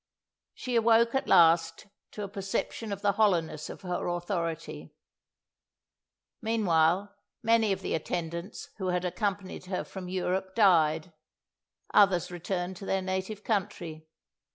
She awoke at last to a perception of the hollowness of her authority. Meanwhile, many of the attendants who had accompanied her from Europe died; others returned to their native country.